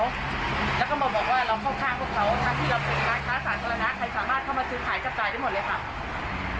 ทั้งที่เราเป็นร้านค้าสาธารณะใครสามารถเข้ามาซื้อขายกับจ่ายทั้งหมดเลยค่ะ